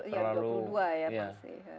kamu yang dua puluh dua ya pasti